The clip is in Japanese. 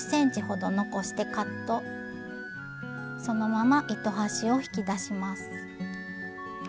そのまま糸端を引き出します。